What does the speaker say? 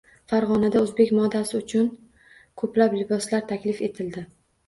Farg‘onada o‘zbek modasi uchun ko‘plab liboslar taklif etildi